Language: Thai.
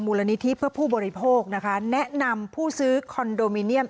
มูลนิธิเพื่อผู้บริโภคนะคะแนะนำผู้ซื้อคอนโดมิเนียม